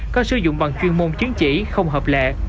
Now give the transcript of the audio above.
có sử dụng bằng chuyên môn chứng chỉ không hợp lệ